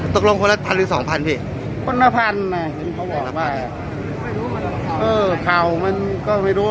ตกลงคนละพันหรือสองพันพี่คนละพันน่ะเห็นเขาบอกว่าเออข่าวมันก็ไม่รู้